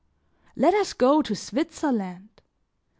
Let us go to Switzerland!